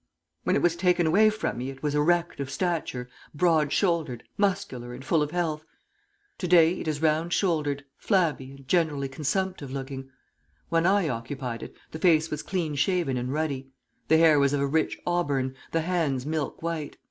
When it was taken away from me it was erect of stature, broad shouldered, muscular and full of health. To day it is round shouldered, flabby and generally consumptive looking. When I occupied it, the face was clean shaven and ruddy. The hair was of a rich auburn, the hands milk white.